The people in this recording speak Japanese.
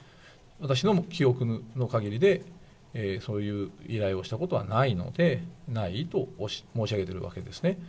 私の記憶のかぎりでそういう依頼をしたことはないので、ないと申し上げているわけですね。